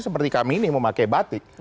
seperti kami ini memakai batik